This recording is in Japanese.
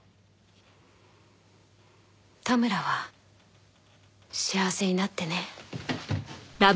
田村は幸せになってね。